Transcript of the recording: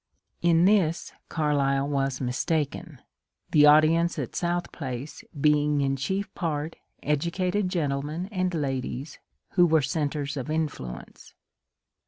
In this Carlyle was mistaken, the audience at South Place being in chief part educated gentlemen and ladies who were centres of influence.